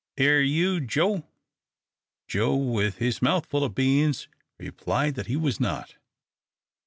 "Air you, Joe?" Joe, with his mouth full of beans, replied that he was not.